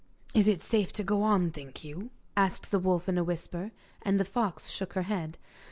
'Is it safe to go on, think you?' asked the wolf in a whisper. And the fox shook her head.